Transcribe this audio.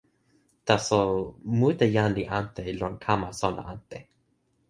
taso, mute jan li ante lon kama sona ante.